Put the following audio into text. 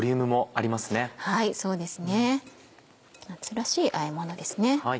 夏らしいあえものですね。